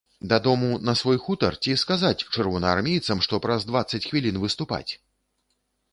Дадому, на свой хутар, ці сказаць чырвонаармейцам, што праз дваццаць хвілін выступаць?